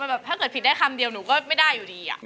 แบบถ้าเกิดผิดได้คำเดียวหนูก็ไม่ได้อยู่ดี